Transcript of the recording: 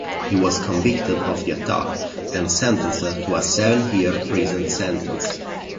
He was convicted of the attack and sentenced to a seven-year prison sentence.